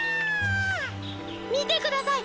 みてください！